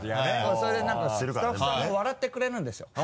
それで何かスタッフさんも笑ってくれるんですよ。